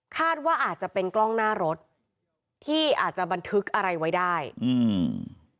คาดว่าอาจจะเป็นกล้องหน้ารถที่อาจจะบันทึกอะไรไว้ได้อืม